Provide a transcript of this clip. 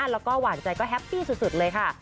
แล้วก็หวานใจก็แฮปปี้สุดเลยค่ะ